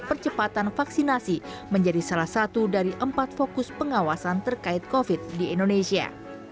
percepatan vaksinasi menjadi salah satu dari empat fokus pengawasan terkait covid di indonesia